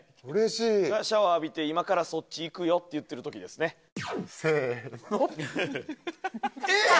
シャワー浴びて「今からそっち行くよ」って言ってるときですねせーのえーっ！